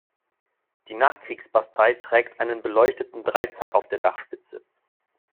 Die Nachkriegs-Bastei trägt einen beleuchteten Dreizack auf der Dachspitze.